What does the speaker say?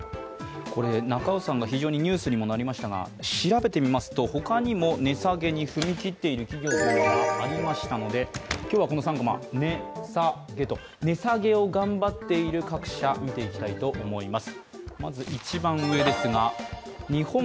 なか卯さん、非常にニュースにもなりましたが調べてみますと、他にも値下げに踏み切っている企業というのがありましたので今日はこの３コマ、値下げを頑張っている各社見ていきたいと思います。